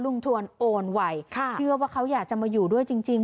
ทวนโอนไวเชื่อว่าเขาอยากจะมาอยู่ด้วยจริง